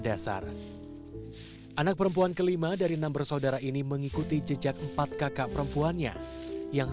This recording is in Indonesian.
dasar anak perempuan kelima dari enam bersaudara ini mengikuti jejak empat kakak perempuannya yang